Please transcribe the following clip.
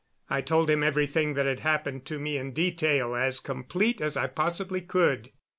I told him everything that had happened to me in detail as complete as I possibly could.